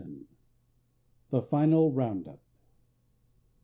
THE FINAL ROUNDUP.